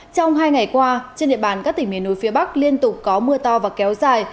trong hai ngày qua trên địa bàn các tỉnh miền núi phía bắc liên tục có mưa to và kéo dài